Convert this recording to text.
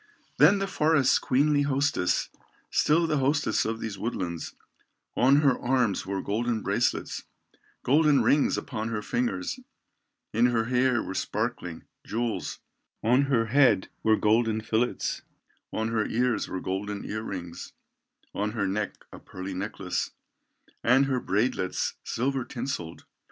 Then the forest's queenly hostess, Still the hostess of these woodlands, On her arms wore golden bracelets, Golden rings upon her fingers, In her hair were sparkling jewels, On her head were golden fillets, In her ears were golden ear rings, On her neck a pearly necklace, And her braidlets, silver tinselled.